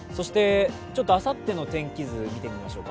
あさっての天気図を見てみましょうか。